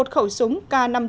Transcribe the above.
một khẩu súng k năm mươi chín